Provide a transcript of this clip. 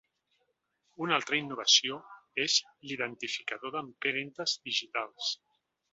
Una altra innovació és l’identificador d’empremtes digitals.